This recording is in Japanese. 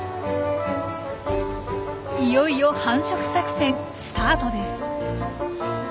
いよいよ繁殖作戦スタートです。